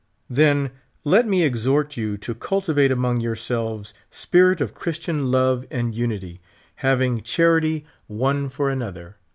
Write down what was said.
Then let me exhort you to cultivate among yourselves spirit of Chri.Btian love and unity, having charity one for y 66 anotlipr.